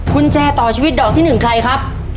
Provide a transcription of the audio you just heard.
กุญแจต่อชีวิตดอกที่๑ใครครับ